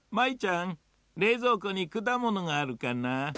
れいぞうこにくだものがあるかな？